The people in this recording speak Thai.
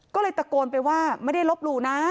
ก็เลยตะโกนไปว่าไม่ได้ลบหลู่นะ